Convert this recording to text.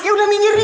ya udah minggir